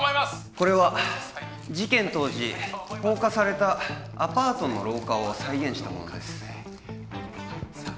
これは事件当時放火されたアパートの廊下を再現したものですさあ